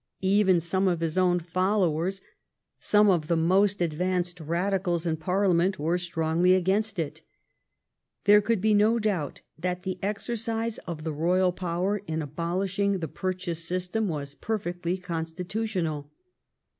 Even some of his own followers, some of the most advanced Radicals in Parliament, were strongly against it. There could be no doubt that the exercise of the royal power in abolishing the purchase system was perfectly constitutional.